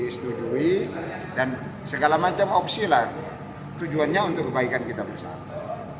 disetujui dan segala macam opsi lah tujuannya untuk kebaikan kita bersama